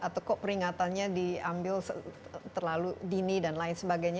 atau kok peringatannya diambil terlalu dini dan lain sebagainya